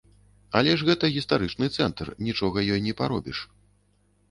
Але ж гэта гістарычны цэнтр, нічога ёй не паробіш.